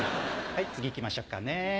はい次行きましょうかね。